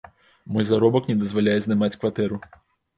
Мой заробак не дазваляе здымаць кватэру.